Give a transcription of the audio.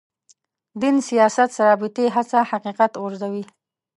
دین سیاست رابطې هڅه حقیقت غورځوي.